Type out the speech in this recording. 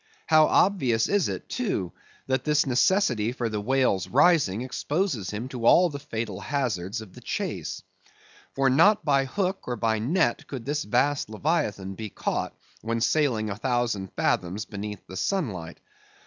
How obvious is it, too, that this necessity for the whale's rising exposes him to all the fatal hazards of the chase. For not by hook or by net could this vast leviathan be caught, when sailing a thousand fathoms beneath the sunlight.